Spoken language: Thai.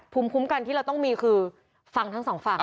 ภูมิคุ้มกันที่เราต้องมีคือฟังทั้งสองฝั่ง